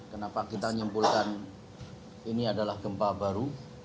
kenapa kita menyimpulkan ini adalah gempa baru